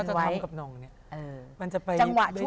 จังหวะช่วงไหน